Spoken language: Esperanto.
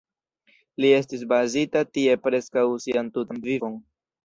Li estis bazita tie preskaŭ sian tutan vivon.